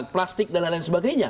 plastik dan lain sebagainya